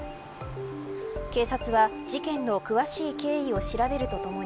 警察は事件の詳しい経緯を調べるとともに